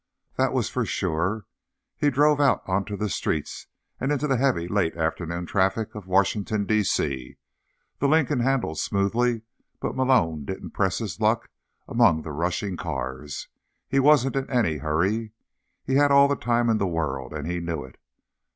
That was for sure. He drove out onto the streets and into the heavy late afternoon traffic of Washington, D. C. The Lincoln handled smoothly, but Malone didn't press his luck among the rushing cars. He wasn't in any hurry. He had all the time in the world, and he knew it.